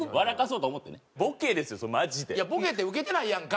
ボケてウケてないやんか。